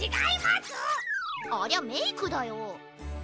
ありゃメイクだよ。